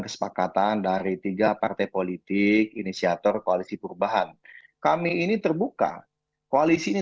kesepakatan dari tiga partai politik inisiator koalisi perubahan kami ini terbuka koalisinya